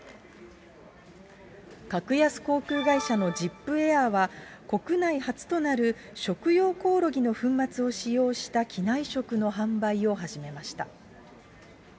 格安航空会社のジップエアは、国内初となる食用コオロギの粉末を使用した機内食の販売を始めました。